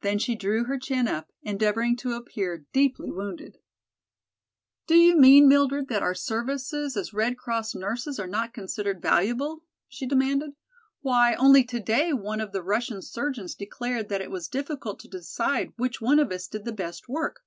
Then she drew her chin up, endeavoring to appear deeply wounded. "Do you mean, Mildred, that our services as Red Cross nurses are not considered valuable?" she demanded. "Why, only today one of the Russian surgeons declared that it was difficult to decide which one of us did the best work.